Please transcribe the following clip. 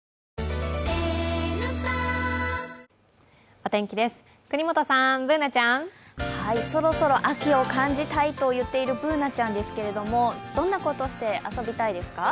お天気です、國本さん、Ｂｏｏｎａちゃん。そろそろ秋を感じたいと言っているＢｏｏｎａちゃんですけども、どんなことして遊びたいですか？